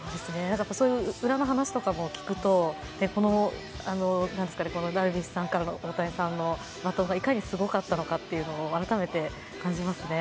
そういう裏の話とかも聞くと、ダルビッシュさんからの大谷さんへのバトンはいかにすごかったのか改めて感じますね。